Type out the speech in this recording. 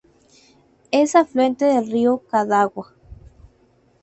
Es afluente del río Cadagua.